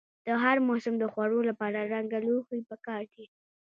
د هر موسم د خوړو لپاره رنګه لوښي پکار دي.